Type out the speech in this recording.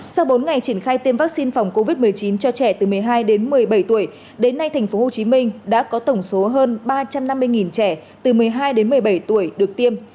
sau bốn ngày triển khai tiêm vaccine phòng covid một mươi chín cho trẻ từ một mươi hai đến một mươi bảy tuổi đến nay tp hcm đã có tổng số hơn ba trăm năm mươi trẻ từ một mươi hai đến một mươi bảy tuổi được tiêm